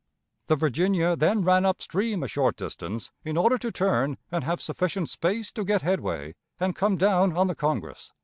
The Virginia then ran up stream a short distance, in order to turn and have sufficient space to get headway, and come down on the Congress.